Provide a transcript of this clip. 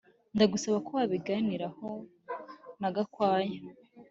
Ndagusaba ko wabiganiraho na Gakwaya